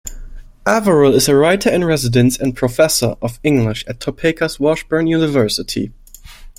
Averill is a writer-in-residence and professor of English at Topeka's Washburn University.